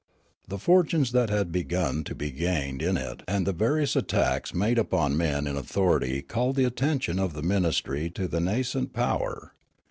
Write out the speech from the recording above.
The fortunes that had begun to be gained in it and the various attacks made upon men in authority called the attention of the ministry to the nascent power.